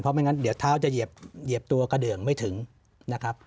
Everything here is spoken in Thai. ไม่งั้นเดี๋ยวเท้าจะเหยียบตัวกระเดืองไม่ถึงนะครับ